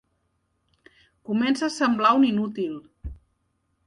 Comença a semblar un inútil.